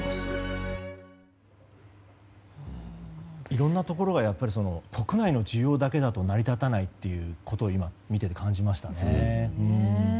いろいろなところが国内の需要だけだと成り立たないということを今見ていて感じました。